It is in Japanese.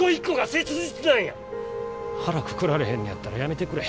腹くくられへんのやったら辞めてくれ。